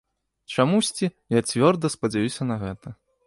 Чамусьці я цвёрда спадзяюся на гэта.